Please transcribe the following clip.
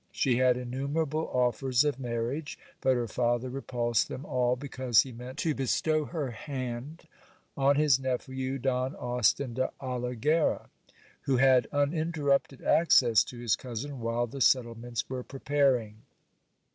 She had innumerable offers of marriage ; but her father re pulsed them all, because he meant to bestow her hand on his nephew, Don Austin de Olighera, who had uninterrupted access to his cousin while the settle ments were preparing.